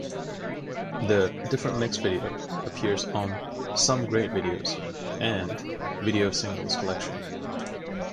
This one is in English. The "Different Mix" video appears on "Some Great Videos" and "Video Singles Collection".